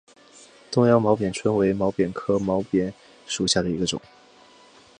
东洋毛扁蝽为扁蝽科毛扁蝽属下的一个种。